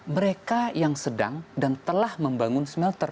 mereka yang sedang dan telah membangun smelter